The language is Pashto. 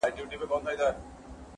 تور مېږي وه- سره مېږي وه- ښانګور وه-